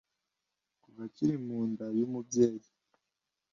kuva akiri mu nda y’umubyeyi